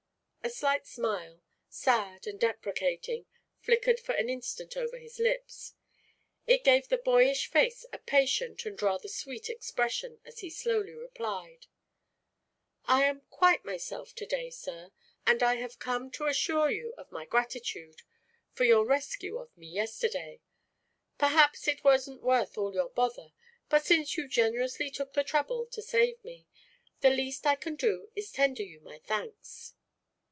A slight smile, sad and deprecating, flickered for an instant over his lips. It gave the boyish face a patient and rather sweet expression as he slowly replied: "I am quite myself to day, sir, and I have come to assure you of my gratitude for your rescue of me yesterday. Perhaps it wasn't worth all your bother, but since you generously took the trouble to save me, the least I can do is to tender you my thanks."